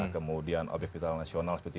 kemudian objek vital nasional seperti itu ya